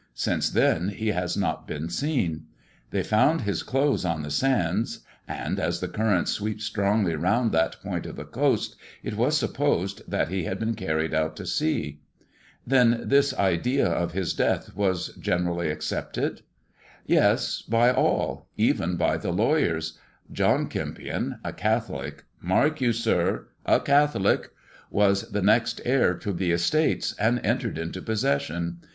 Since then he has not been seen. They found his clothes on the sands, and, as the current sweeps strongly round that point of the coast, it was supposed that he had been carried out to sea." "Then this idea of his death was generally accepted?" THE JEStJIT AND THE MEXICAN COIN 285 " Yes; by all. Even by the lawyora. John Kempion, i Catholic — mark you, sir, a Catholic — was the next heir to the estates, and entered into poesesaion.